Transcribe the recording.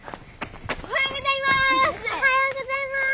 おはようございます！